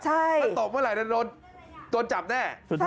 ใช่มันตบเมื่อไหร่มันโดนจับแน่